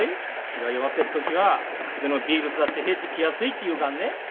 気が弱っでっ時は風邪のビールスだって入ってきやすいって言うかんね。